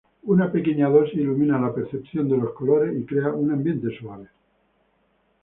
Una pequeña dosis ilumina la percepción de los colores y crea un ambiente suave.